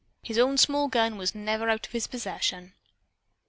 His own small gun was never out of his possession.